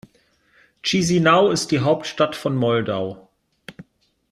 Chișinău ist die Hauptstadt von Moldau.